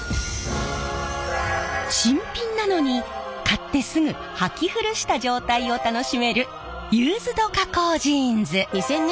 新品なのに買ってすぐはき古した状態を楽しめるユーズド加工ジーンズ！